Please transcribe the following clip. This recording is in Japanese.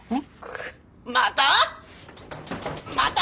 また！？